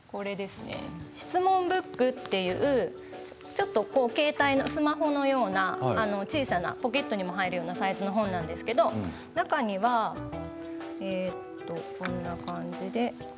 「しつもんブック」というスマホのような小さなポケットにも入るようなサイズの小さな本なんですけど中にはこんな感じで。